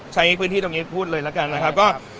ใช้พื้นที่ตรงนี้พูดเลยละกันนะครับ